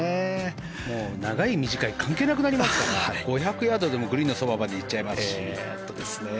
長い短いは関係なくなって５００ヤードでもグリーンのそばまで行っちゃいますし。